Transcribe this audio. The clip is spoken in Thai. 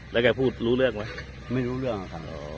แล้วแกพูดรู้เรื่องไหมไม่รู้เรื่องค่ะ